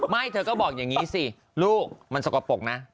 เธอก็บอกอย่างนี้สิลูกมันสกปรกนะ